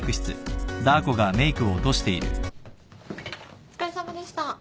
お疲れさまでした。